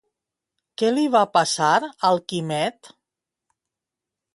Què li va passar al Quimet?